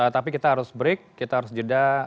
tapi kita harus break kita harus jeda